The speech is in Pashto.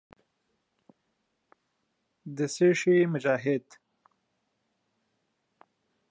د څه شي مجاهد.